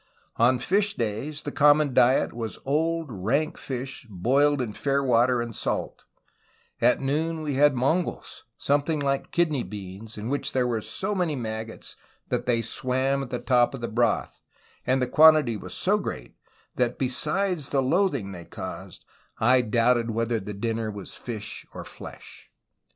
On fish days the common diet was old rank fish boiFd in fair water and salt; at noon we had Mongos, something like kidney beans, in which there were so many maggots, that they swam at top of the broth, and the quantity was so great, that besides the loathing they caused, I doubted whether the dinner was fish or flesh.